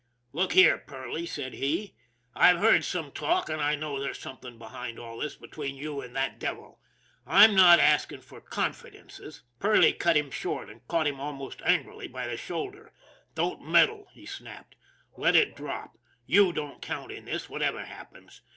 " Look here, Perley," said he, " I've heard some talk, and I know there's something behind all this be tween you and that devil. I'm not asking for con fidences" Perley cut him short, and caught him almost angrily by the shoulder. " Don't meddle !" he snapped. " Let it drop. You don't count in this, whatever happens.